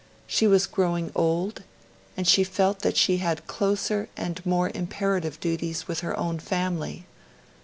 She was growing old, and she felt that she had closer and more imperative duties with her own family.